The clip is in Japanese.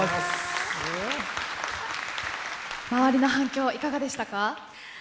周りの反響はいかがでしたか？